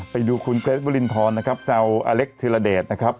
ไปดูคุณบรินทรนะครับเจ้าอเธอร์ละเดสนะครับ